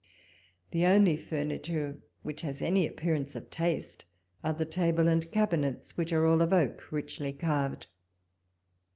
The only furniture which has any appearance of taste are the table and cabinets, which are all of oak, richly carved, 80 walpole's letters.